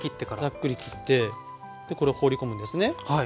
ざっくり切ってこれ放り込むんですね。